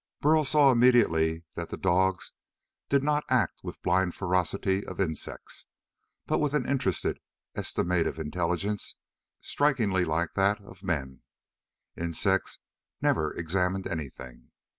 Burl saw immediately that the dogs did not act with the blind ferocity of insects, but with an interested, estimative intelligence strikingly like that of men. Insects never examined anything.